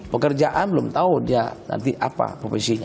pekerjaan belum tau dia nanti apa profisinya